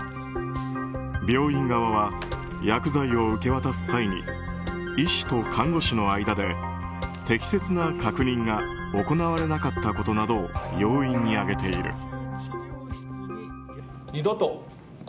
病院側は薬剤を受け渡す際に医師と看護師の間で適切な確認が行われなかったことなどを要因に挙げている。